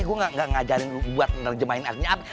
gua gak ngajarin lu buat ngerjemahin artinya apa